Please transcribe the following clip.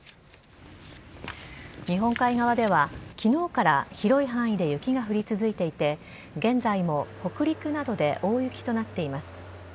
日本海側では昨日から広い範囲で雪が降り続いていて現在も北陸などで大雪となっています。